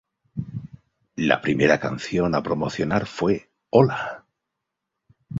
La primera canción a promocionar fue ¡Hola!